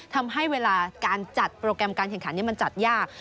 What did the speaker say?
ทำให้เวลาการจัดโปรแกรมการแข่งขันมันจัดยาก